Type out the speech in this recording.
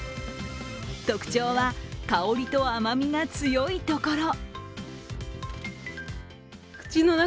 特徴は香りと甘みが強いところ。